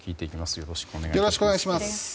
よろしくお願いします。